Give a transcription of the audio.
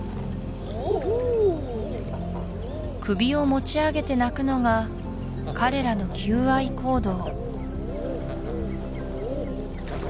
首を持ち上げて鳴くのが彼らの求愛行動